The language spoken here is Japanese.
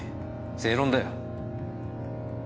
正論だよ。